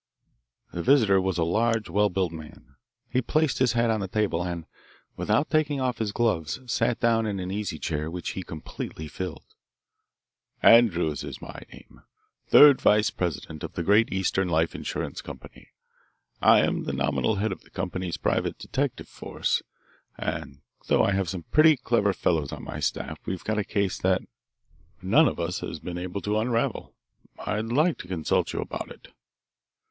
The visitor was a large, well built man. He placed his hat on the table and, without taking off his gloves, sat down in an easy chair which he completely filled. "Andrews is my name third vice president of the Great Eastern Life Insurance Company. I am the nominal head of the company's private detective force, and though I have some pretty clever fellows on my staff we've got a case that, so far, none of us has been able to unravel. I'd like to consult you about it."